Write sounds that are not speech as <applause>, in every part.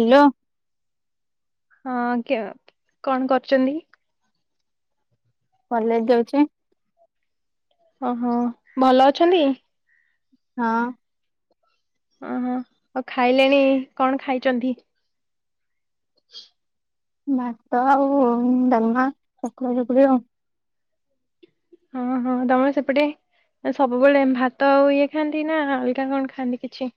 Hello. ହଁ କେ କଣ କରୁଛନ୍ତି। କଲେଜ ଯାଉଛି। ଓହୋ ଭଲ ଅଛନ୍ତି। ହଁ। ଉଁ ହୁଁ ଆଉ ଖାଇଲେଣି କଣ ଖାଇଛନ୍ତି। ଭାତ ଆଉ ଡାଲମା ଚକୁଡ଼ା ଚକୁଡି ଆଉ। ହଁ ହଁ ତମ ସେପଟେ। ଏ ସବୁବେଳେ ଭାତ ଆଉ ଇଏ ଖାଆନ୍ତି ନା ଅଲଗା କଣ ଖାଆନ୍ତି କିଛି।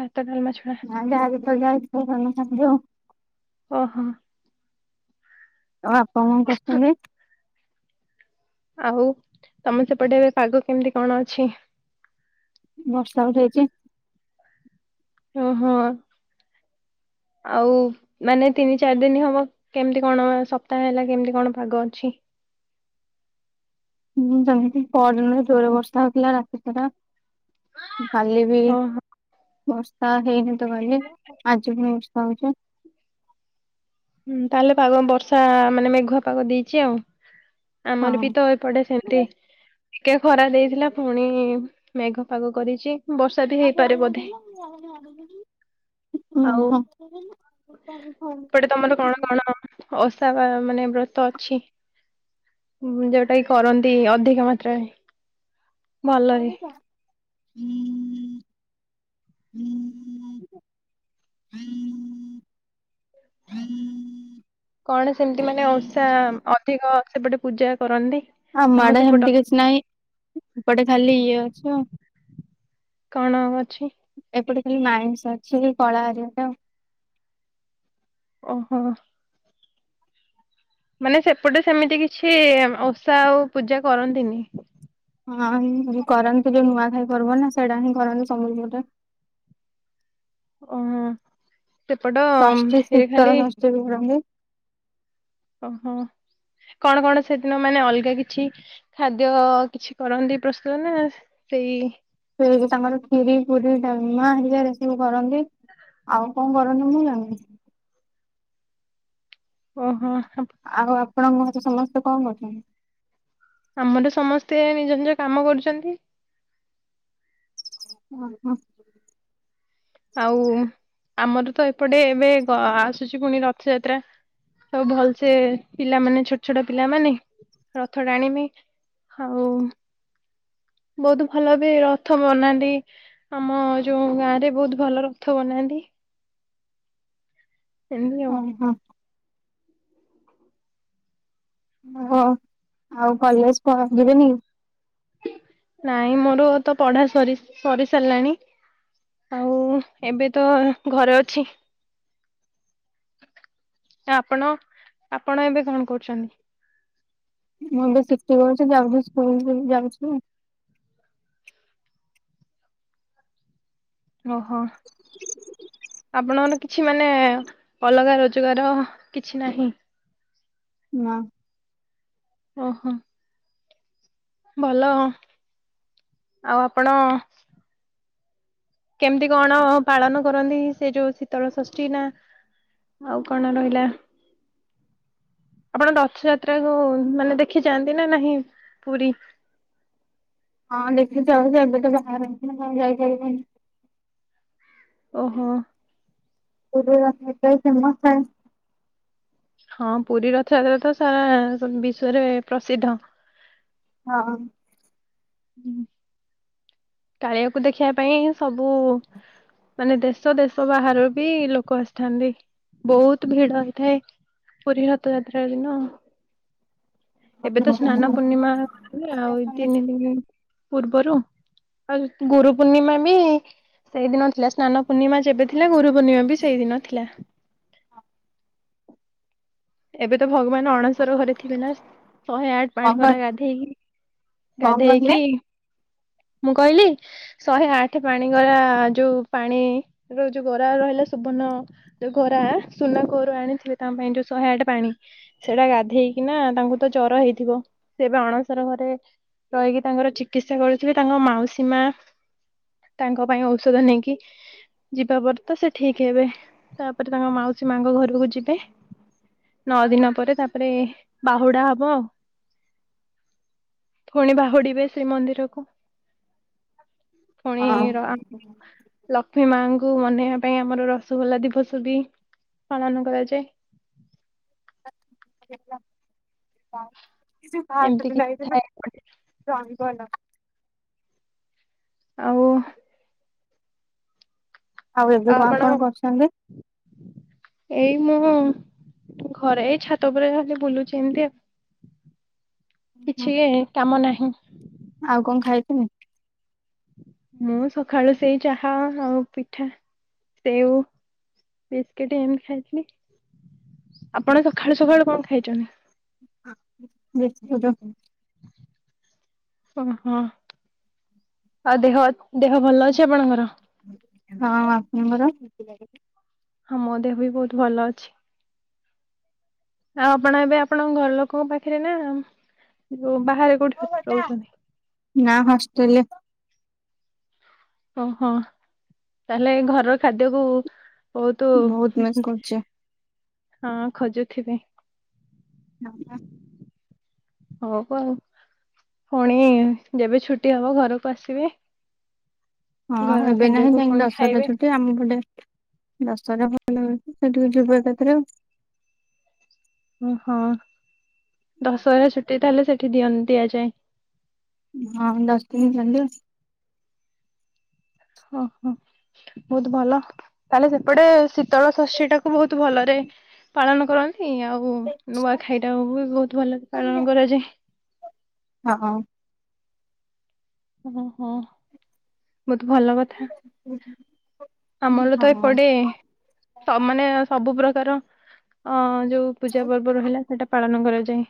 ଭାତ ଡାଲମା ଛଡ଼ା। ନାଁ ଯା ଯେତେ ବେଳେ ଥାଏ ସେତେ ବେଳେ ସେଇଆ ଖାଆନ୍ତି ଆଉ। ଓହୋ। ଆଉ ଆପଣ କଣ କରୁଛନ୍ତି? ଆଉ ତମେ ସେପଟେ ଏବେ ପାଗ କେମିତି କଣ ଅଛି? ବର୍ଷା ଉଠେଇଛି। ଓହଁ ଆଉ ମାନେ ତିନି ଚାରି ଦିନ ହବ କେମିତି କଣ ସପ୍ତାହ ହେଲା କେମିତି କଣ ପାଗ ଅଛି? ହୁଁ ଯେମିତି ପରଦିନ ଜୋର ବର୍ଷା ହେଉଥିଲା ରାତି ସାରା। କାଲି ବି ଓହୋ ବର୍ଷା ହେଇନି ତ କାଲି। ଆଜି ବି ବର୍ଷା ହଉଛି। ହୁଁ ତାହେଲେ ପାଗ ବର୍ଷା ମାନେ ମେଘୁଆ ପାଗ ଦେଇଛି ଆଉ। ଆମର ହଁ। ବି ତ ଏପଟେ ସେମତି ଟିକେ ଖରା ଦେଇଥିଲା। ପୁଣି ମେଘ ପାଗ କରିଛି। ବର୍ଷା ବି ଅ ହେଇପାରେ ହଁ। ବୋଧେ <unintelligible> ସେପଟେ ତମର କଣ କଣ ଓସା ବା ମାନେ ବ୍ରତ ଅଛି? ଯୋଉଟା କି କରନ୍ତି ଅଧିକ ମାତ୍ରାରେ। କଣ ଭଲରେ କ <unintelligible> ହୁଁ ହୁଁ <inaudible> ହୁଁ ହୁଁ <inaudible> କଣ ସେମିତି ମାନେ ଓଷା ଅଧିକ ସେପଟେ ପୂଜା କରନ୍ତି? ଆମ ତମ ଆଡେ ସେପଟ ହେମିତି କିଛି ନାହିଁ। ଏପଟେ ଖାଲି ଇଏ ଅଛି ଆଉ। କଣ ଅଛି? ଏପଟେ ଖାଲି ମାଇନ୍ସି ଅଛି। କଳା ହରିକା ଆଉ ଓହୋ। ମାନେ ସେପଟେ ସେମିତି କିଛି ଓଷା ଆଉ ପୂଜା କରନ୍ତିନି? ହଁ କରନ୍ତି। ଯୋଉ ନୂଆ ଖାଇ ପରବ ନା ସେଇଟା ହିଁ କରନ୍ତି। ସମ୍ବଲପୁ ପଟେ ଓହୋ। ସେପଟ ରେ ଖାଲି ରଁ <unintelligible> ଓହୋ। କଣ କଣ ସେଦିନ ମାନେ ଅଲଗା କିଛି ଖାଦ୍ୟ କିଛି କରନ୍ତି ପ୍ରସ୍ତୁତ ନା ସେଇ ସେ ତାଙ୍କର ଖୀରି ପୁରୀ ଡାଲମା ହେରିକା ସବୁ କରନ୍ତି। ଆଉ କଣ କରନ୍ତି ମୁଁ ଜାଣିନି। ଓହୋ। ଆଉ ଆପଣଙ୍କ ଘର ସମସ୍ତେ କଣ କରୁଛନ୍ତି? ଆମର ସମସ୍ତେ ନିଜ ନିଜ କାମ କରୁଛନ୍ତି। ଓ ହୁଁ। ଆଉ ଆମର ତ ଏପଟେ ଏବେ ଆସୁଛି ପୁଣି ରଥଯାତ୍ରା। ଆଉ ଭଲସେ ପିଲାମାନେ ଛୋଟ ଛୋଟ ପିଲାମାନେ ରଥ ଟାଣିବେ। ଆଉ ବହୁତ ଭଲ ବି ରଥ ବନାନ୍ତି। ଆମ ଯୋଉ ଗାଁ ରେ ବହୁତ ଭଲ ରଥ ବନାନ୍ତି। ସେମିତି ଆଉ। ଓହୋ ହଉ ଆଉ କଲେଜ ପ ଯିବେନି? ନାଇଁ ମୋର ତ ପଢା ସରି ସରି ସାରିଲାଣି। ଆଉ ଏବେ ତ ଘରେ ଅଛି। ଆପଣ ଆପଣ ଏବେ କଣ କରୁଛନ୍ତି? ମୁଁ ଏବେ ସିଟି କରୁଛି। ଯାଉଛି ସ୍କୁଲ ଯାଉଛି। ଓହୋ। ଆପଣଙ୍କର କିଛି ମାନେ ଅଲଗା ରୋଜଗାର କିଛି ନାହିଁ? ନାଁ ଓହୋ। ଭଲ। ଆଉ ଆପଣ କେମିତି କଣ ପାଳନ କରନ୍ତି ସେ ଯଉ ଶୀତଳ ଷଷ୍ଠୀ ନା ଆଉ କଣ ରହିଲା ଆପଣ ରଥଯାତ୍ରାକୁ ମାନେ ଦେଖି ଯାଆନ୍ତି ନା ନାହିଁ ପୁରୀ? ହଁ ଦେଖି <unintelligible> ଏବେ ତ ବାହାର ହେଇଛି ନା <unintelligible> ଯାଇପାରିବନି। ଓହୋ। <unintelligible> ରଥ <unintelligible> ଫେମସ ହେ ହଁ ପୁରୀ ରଥଯାତ୍ରା ତ ସାରା ବିଶ୍ଵରେ ପ୍ରସିଦ୍ଧ। ହଁ ହୁଁ କାଳିଆକୁ ଦେଖିବା ପାଇଁ ସବୁ ମାନେ ଦେଶ ଦେଶ ବାହାରୁ ବି ଲୋକ ଆସିଥାନ୍ତି ବହୁତ ଭିଡ ହେଇଥାଏ। ପୁରୀ ରଥ ଯାତ୍ରା ଦିନ ଏବେ କଣ ତ ସ୍ନାନ ପୂର୍ଣ୍ଣିମା <unintelligible> ଆଉ ତିନି ଦିନ ପୂର୍ବରୁ। ଆଉ ଗୁରୁ ପୂର୍ଣ୍ଣିମା ବି ସେଇଦିନ ଥିଲା ସ୍ନାନ ପୂର୍ଣ୍ଣିମା ଯେବେ ଥିଲା ଗୁରୁ ପୂର୍ଣ୍ଣିମା ବି ସେଇଦିନ ଥିଲା। ଏବେ ତ ଭଗବାନ ଅଣସର ଘରେ ଥିବେ ନା ଶହେ ଆଠ ପାଣି ଭରା ଗାଧେଇକି। କହିଲେ? ଗାଧେଇକି, ମୁଁ କହିଲି ଶହେ ଆଠ ପାଣି ଗରା ଯୋଉ ପାଣି ର ଯୋଉ ଗରା ରହିଲା ସୁବର୍ଣ୍ଣ ଯୋଉ ଗରା ସୁନା କୂଅରୁ ଆଣିଥିବେ ତା ପାଇଁ ଯୋଉ ଶହେ ଆଠ ପାଣି ସେଟା ଗାଧେଇକିନା ତାଙ୍କୁ ତ ଜର ହେଇଥିବ ସେ ଏବେ ଅଣସର ଘରେ ରହିକି ତାଙ୍କର ଚିକିତ୍ସା କରୁଥିବେ, ତାଙ୍କ ମାଉସୀ ମା ତାଙ୍କ ପାଇଁ ଔଷଧ ନେଇକି ଯିବା ପରେ ତ ସେ ଠିକ ହେବେ, ତାପରେ ତାଙ୍କ ମାଉସୀ ମାଙ୍କ ଘରକୁ ଯିବେ। ନଅ ଦିନ ପରେ ତାପରେ ବାହୁଡା ହବ। ଫୁଣି ବାହୁଡିବେ ଶ୍ରୀମନ୍ଦିରକୁ ଫୁଣି ର <unintelligible> ଲକ୍ଷ୍ମୀ ମାଙ୍କୁ ମନେଇବା ପାଇଁ ଆମର ରସଗୋଲା ଦିବସ ବି ପାଳନ କରାଯାଏ। <unintelligible> ଏମିତି କିଛି ଥାଏ <unintelligible> ଆଉ ଆଉ ଏବେ କଣ ଆପଣ କଣ କରୁଛନ୍ତି? ଏଇ ମୁଁ ଘରେ ଏଇ ଛାତ ଉପରେ ଖାଲି ବୁଲୁଛି ଏମତି କିଛି କାମ ନାହିଁ। ଆଉ କଣ ଖାଇଥିମି ମୁଁ ସକାଳୁ ସେଇ ଚାହା ଆଉ ପିଠା ସେଉ। ବିସ୍କିଟ ଏମିତି ଖାଇଥିଲି, ଆପଣ ସଖାଳୁ ସଖାଳୁ କଣ ଖାଇଛନ୍ତି? ବିସ୍କୁଟୁ। ଓହୋ ଆଉ ଦେହ ଦେହ ଭଲ ଅଛି ଆପଣଙ୍କର? ହଁ, ଆପଣଙ୍କର? ହଁ ମୋ ଦେହ ବି ବହୁତ ଭଲ ଅଛି। ଆଉ ଆପଣ ଏବେ ଆପଣଙ୍କ ଘର ଲୋକ ପାଖରେ ନା ଯଉ ବାହାରେ କୋଉଠି? ରହୁଛନ୍ତି ନା ହଷ୍ଟେଲ ଓହୋ ତାହେଲେ ଘରର ଖାଦ୍ୟକୁ ବହୁତୁ ବହୁତ ମିସ୍ କରୁଛି। ହଁ ଖୋଜୁଥିବେ। <unintelligible> <unintelligible> ଆଉ ଫୁଣି ଯେବେ ଛୁଟି ହବ ଘରକୁ ଆସିବେ। ହଁ ଘର ଏବେ ନାହିଁ ଖାଦ୍ୟକୁ <unintelligible> ପୁଣି ଦଶରା ଖାଇବେ ଛୁଟି ଆମ <unintelligible> ଦଶରା ଭଲ <unintelligible> ସେଠିକୁ ଯିବୁ ଏକା ଥରେ ଓହଁ ଦଶହରା ଛୁଟି ତାହେଲେ ସେଠି ଦିଅନ୍ତି ଏ ଯାଏ। ହଁ ଦଶ ଦିନି ଯାଣିଲୁ। ଓହୋ। ବହୁତ ଭଲ ତାହେଲେ ସେପଟେ ଶୀତଳ ଶସ୍ୟ ଟାକୁ ବହୁତ ଭଲରେ ପାଳନ କରନ୍ତି ଆଉ ନୂଆଁଖାଇ ଟାକୁ ବି ବହୁତ ଭଲରେ ପାଳନ କରାଯାଏ। ହଁ। ଓହୋ ବହୁତ ଭଲ କଥା। ହଁ ଆମର ତ ଏପଟେ ସ ମାନେ ସବୁ ପ୍ରକାର ଅ ଯୋଉ ପୂଜା ପର୍ବ ରହିଲା। ସେଇଟା ପାଳନ କରାଯାଏ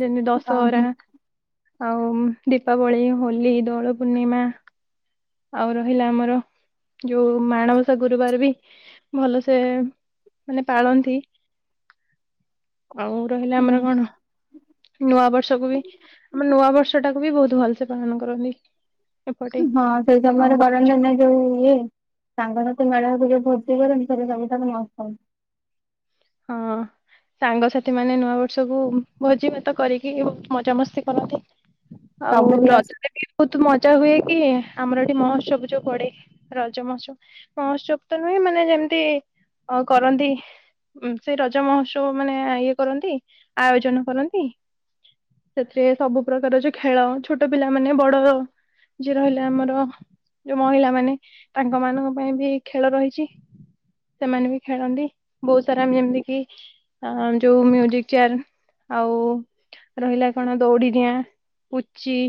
ଯେମିତି ଦଶହରା ଆଉ ଦୀପାବଳି। ହୋଲି ଦୋଳ ପୂର୍ଣ୍ଣିମା। ଆଉ ରହିଲା ଆମର ଯୋଉ ମାଣବସା ଗୁରୁବାର ବି ଭଲସେ ମାନେ ପାଳନ୍ତି। <inaudible> ଆଉ ରହିଲା ଆମର କଣ ନୂଆ ବର୍ଷକୁ ବି ଆମ ନୂଆବର୍ଷ ଟାକୁ ବି ବହୁତ ଭଲସେ ପାଳନ କରନ୍ତି। ଏପଟେ ସେଇ ଆଉ ସମୟରେ କରନ୍ତିନା ଯୋଉ ଇଏ ସାଙ୍ଗସାଥି ମେଳହେଇକି ଯୋଉ ଭୋଜି କରନ୍ତି ସେରା ସବୁଖାଲି ମଟନ୍। ହଁ <inaudible> ସାଙ୍ଗସାଥି ମାନେ ନୂଆ ବର୍ଷକୁ ଭୋଜିଭାତ କରିକି ବହୁତ ମଜାମସ୍ତି କରନ୍ତି। ଆଉ ସବୁ କ୍ଲାସ ରଜ। <unintelligible> ବହୁତ ମଜା ହୁଏ କି ଆମର ଏଠି ମହୋତ୍ସବ ଯୋଉ ପଡ଼େ ରଜମହତ୍ସ। ମହୋତ୍ସବ ତ ନୁହେଁ ମାନେ ଯେମିତି ଅ କରନ୍ତି। ସେଇ ରଜ ମହୋତ୍ସବ ମାନେ ଇଏ କରନ୍ତି ଆୟୋଜନ କରନ୍ତି। ସେଥିରେ ସବୁ ପ୍ରକାର ଯୋଉ ଖେଳ ଛୋଟ ପିଲା ମାନେ ବଡ଼ ଯିଏ ରହିଲା ଆମର ଯୋଉ ମହିଳା ମାନେ ତାଙ୍କମାନଙ୍କ ପାଇଁବି ଖେଳ ରହିଚି ସେମାନେ ବି ଖେଳନ୍ତି। ସେରା ଯେମିତି କି ଅ ଯୋଉ ମ୍ୟୁଜିକ୍ ଚେୟାର ଆଉ ରହିଲା କଣ ଦୋଉଡ଼ିଡିଆଁ ପୁଚି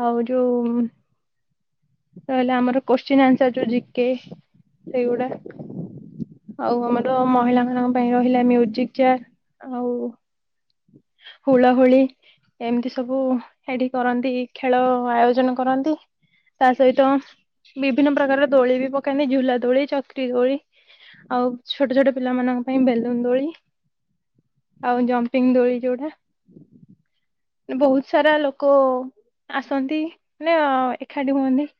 ଆଉ ଯୋଉ ରହିଲା ଆମର କୋଶ୍ଚିନ୍ ଆନ୍ସାର୍ ଯୋଉ ଜିକେ ସେଇଗୁଡ଼ା ଆଉ ଆମର ମହିଳା ମାନଙ୍କ ପାଇଁ ରହିଲା ମ୍ୟୁଜିକ୍ ଚେୟାର ଆଉ ହୁଳ ହୁଳି ଏମିତି ସବୁ ଏଠି କରନ୍ତି ଖେଳ ଆୟୋଜନ କରନ୍ତି। ତା ସହିତ ବିଭିନ୍ନ ପ୍ରକାର ଦୋଳି ବି ପକାନ୍ତି ଝୁଲା ଦୋଳି ଚକ୍ରି ଦୋଳି ଆଉ ଛୋଟ ଛୋଟ ପିଲାମାନାନଙ୍କ ପାଇଁ ବେଲୁନ୍ ଦୋଳି ଆଉ ଜମ୍ପ ପିଙ୍ଗଦୋଳି ଯୋଉଟା ବହୁତ ସାରା ଲୋକ ଆସନ୍ତି ନାଁ ଏଖାଟି ହୁଅନ୍ତି।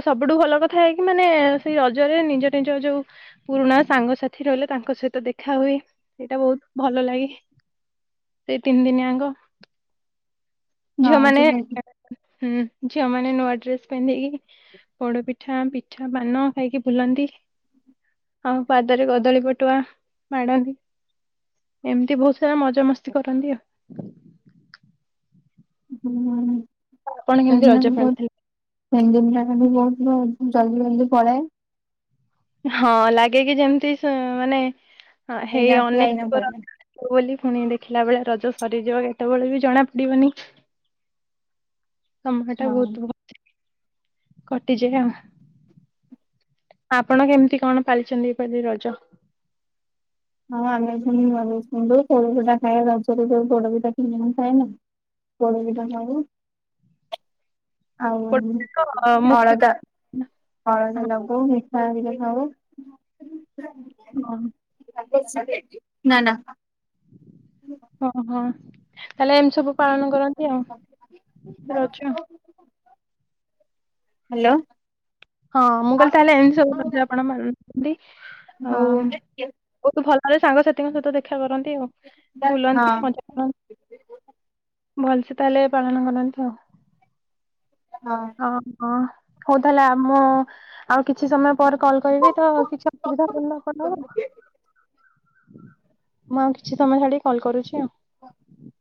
ଆଉ ସବୁଠୁ ଭଲ କଥା ହେଇକି ମାନେ ସେଇ ରଜରେ ନିଜ ନିଜ ଯୋଉ ପୁରୁଣା ସାଙ୍ଗସାଥି ରହିଲେ ତାଙ୍କ ସହିତ ଦେଖା ହୁଏ ଏଇଟା ବହୁତ ଭଲ ଲାଗେ। ସେଇ ତିନି ଦିନିଆଙ୍ଗ ହଁ ଝିଅମାନେ ସେ- ହୁଁ, ହୁଁ ଝିଅ ମାନେ ନୂଆ ଡ୍ରେସ୍ ପିନ୍ଧିକି ପୋଡ଼ପିଠା ପି ଠା ପାନ ଖାଇକି ବୁଲନ୍ତି। ଆଉ ପାଦରେ କଦଳୀ ପଟୁଆ ମାଡ଼ନ୍ତି। ଏମିତି ବହୁତ ସାରା ମଜା ମସ୍ତି କରନ୍ତି ଆଉ। ହୁଁ ଆପଣ କେମିତି ରଜ ସେଇନାଗି ବୋହୁତ ପାଳିଥିଲେ? <unintelligible> ବି ବୋହୁତ ବୋହୁ ଜଲ୍ଦି ଜଲ୍ଦି ପଳାଏ। ହଁ ଲାଗେ କି ଯେମତି ସେ ମାନେ ଅ ହେଇ ଏଇନା ଆସିଲା ଏଇନା ଅନେକର ପଳେଇଲା ତ ବୋଲି ପୁଣି ଦେଖିଲା ବେଳେ ରଜ ସରିଯିବ କେତେବେଳେ ବି ଜଣା ପଡ଼ିବନି। ସମୟଟା ହଁ। ବହୁତ୍ ବ <unintelligible> ଆପଣ କେମିତି କଣ ପାଳିଛନ୍ତି ଏପାଳି ରଜ? ହଁ ଆମେ ପୁଣି ନୂଆ ଡ୍ରେସ୍ ପିନ୍ଧୁ। ପୋଡ଼ ପିଠା ଖାଏ ରଜରେ ଯୋଉ ପୋଡ <unintelligible> ଖାଏ ନା। ପୋଡ଼ ପିଠା ଖାଉ। ଆଉ ଗୋଟେ ତ, ଅ ମୁଖ୍ୟ ଅଳତା ପିଠା। ଅଳତା ହଁ ଲଗାଉ ମିଠା ହେରିକା ଖାଉ। <unintelligible> <unintelligible> ନା ନା। <unintelligible> ହଁ ହଁ ତାହେଲେ ଏମିତି ସବୁ ପାଳନ କରନ୍ତି ଆଉ। ରଜ ହ୍ୟାଲୋ। ହଁ ମୁଁ କହିଲି ତାହେଲେ ଏମିତି ସବୁ ରଜ ଆପଣ ମନାନ୍ତି। ଆଉ ବହୁତ ଭଲରେ ସାଙ୍ଗସାଥିଙ୍କ ସହିତ ଦେଖା କରନ୍ତି ଆଉ। ବୁଲନ୍ତି ମଜା <unintelligible> ଭଲସେ ତାହେଲେ ପାଳନ କରନ୍ତି ଆଉ। <unintelligible> <unintelligible> ହଉ ତାହେଲେ ଆ ମୁଁ ଆଉ କିଛି ସମୟ ପରେ କଲ କରବି ତ ହଁ କିଛି ଅସୁବିଧା। <unintelligible> <inaudible> ମୁଁ ଆଉ କିଛି ସମୟ ଛାଡି କଲ୍ କରୁଚି ଆଉ। <unintelligible>